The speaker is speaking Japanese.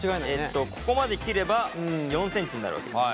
ここまで切れば４ｃｍになるわけです。